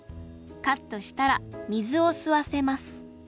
カットしたら水を吸わせます